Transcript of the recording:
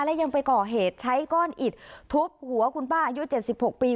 และยังไปก่อเหตุใช้ก้อนอิดทุบหัวคุณป้าอายุ๗๖ปี